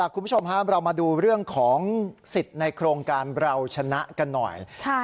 คุณผู้ชมครับเรามาดูเรื่องของสิทธิ์ในโครงการเราชนะกันหน่อย